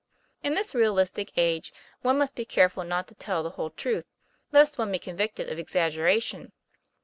In this realistic age one must be careful not to tell the whole truth, lest one be convicted of exaggera tion.